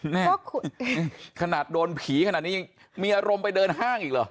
ขนาดโดนผีขนาดนี้ยังมีอารมณ์ไปเดินห้างอีกเหรอ